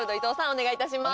お願いいたします